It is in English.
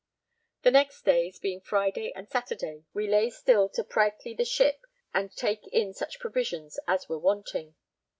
The next days, being Friday and Saturday, we lay still to prytly the ship and take in such provisions as were wanting.